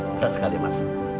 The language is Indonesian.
betah sekali mas